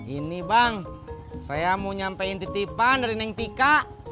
ini bang saya mau nyampein titipan dari neng tika